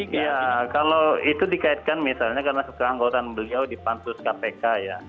iya kalau itu dikaitkan misalnya karena keanggotaan beliau di pansus kpk ya